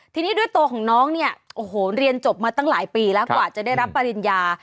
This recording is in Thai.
ทีนี้ด้วยตัวของน้องเนี่ยโอ้โหเรียนจบมาตั้งหลายปีแล้วกว่าจะได้รับปริญญา